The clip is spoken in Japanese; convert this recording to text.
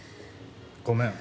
ごめん。